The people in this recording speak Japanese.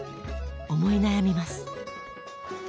思い悩みます。